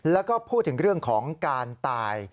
แล้วก็พูดถึงเรื่องของการตาย